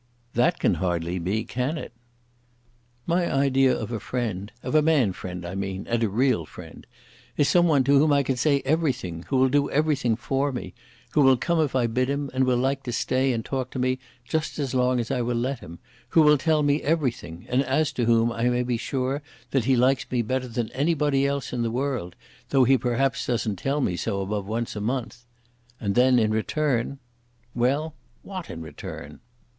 "That can hardly be; can it?" "My idea of a friend, of a man friend, I mean, and a real friend is some one to whom I can say everything, who will do everything for me, who will come if I bid him and will like to stay and talk to me just as long as I will let him; who will tell me everything, and as to whom I may be sure that he likes me better than anybody else in the world, though he perhaps doesn't tell me so above once a month. And then in return " "Well, what in return?"